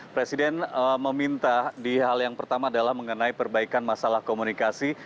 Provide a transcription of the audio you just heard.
presiden meminta di hal yang pertama adalah mengenai perbaikan masalah komunikasi